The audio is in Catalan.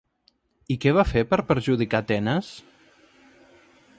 I què va fer per perjudicar Tenes?